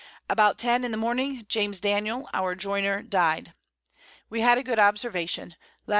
About 10 in the Morning James Daniel our Joiner died. We had a good Observation, Lat.